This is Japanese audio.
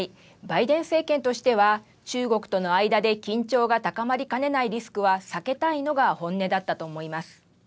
バイデン政権としては中国との間で緊張が高まりかねないリスクは避けたいのが本音だったと思います。